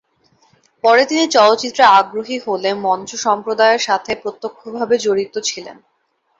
পরে তিনি চলচ্চিত্রে আগ্রহী হলে মঞ্চ সম্প্রদায়ের সাথে প্রত্যক্ষভাবে জড়িত ছিলেন।